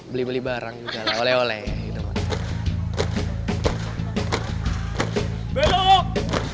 beli beli barang juga lah oleh oleh